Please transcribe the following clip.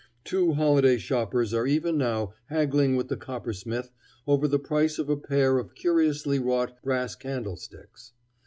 Two holiday shoppers are even now haggling with the coppersmith over the price of a pair of curiously wrought brass candle sticks.